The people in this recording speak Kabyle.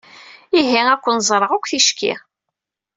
Ihi ad ken-ẓreɣ akk ticki.